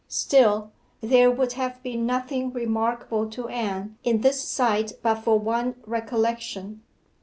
Still, there would have been nothing remarkable to Anne in this sight but for one recollection.